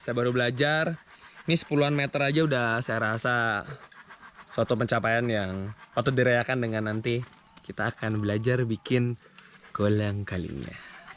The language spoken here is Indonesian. saya baru belajar ini sepuluhan meter saja sudah saya rasa suatu pencapaian yang patut dirayakan dengan nanti kita akan belajar bikin goleng kali ini